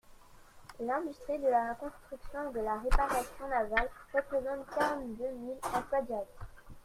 L’industrie de la construction et de la réparation navales représente quarante-deux mille emplois directs.